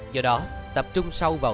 do đó tập trung sâu vào